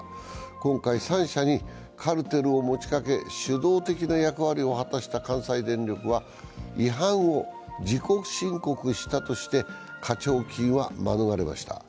今回３社にカルテルを持ちかけ主導的な役割を果たした関西電力は違反を自己申告したとして、課徴金は免れました。